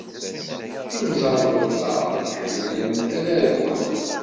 Imẓerbeḍḍa ḥemmlen ad argun.